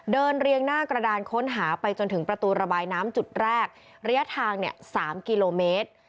เรียงหน้ากระดานค้นหาไปจนถึงประตูระบายน้ำจุดแรกระยะทาง๓กิโลเมตร